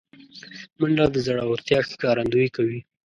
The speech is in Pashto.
منډه د زړورتیا ښکارندویي کوي